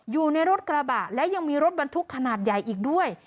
อยู่ในรถกระบะและยังมีรถบรรทุกขนาดใหญ่อีกด้วย